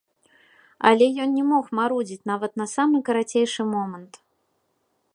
Але ён не мог марудзіць нават на самы карацейшы момант.